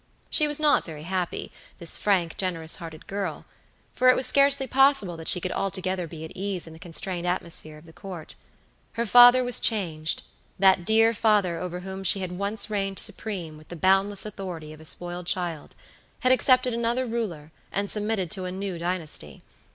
She was not very happy, this frank, generous hearted girl, for it was scarcely possible that she could be altogether at ease in the constrained atmosphere of the Court. Her father was changed; that dear father over whom she had once reigned supreme with the boundless authority of a spoiled child, had accepted another ruler and submitted to a new dynasty.